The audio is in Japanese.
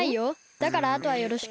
だからあとはよろしく。